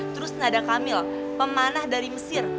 terus nada kamil pemanah dari mesir